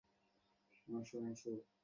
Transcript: কারণ, তারা আমাকে মিথ্যাবাদী বলে।